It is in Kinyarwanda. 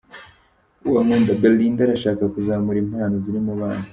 Uwankunda Belinda arashaka kuzamura impano ziri mu bana.